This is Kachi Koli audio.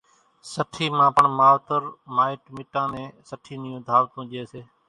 سٺِي مان پڻ ماوَتر مائٽ مِٽان نين سٺِي نيون ڌاوَتون ڄيَ سي۔